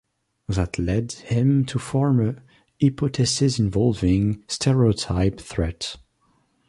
That led him to form a hypothesis involving stereotype threat.